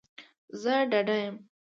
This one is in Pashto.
زه ډاډه یم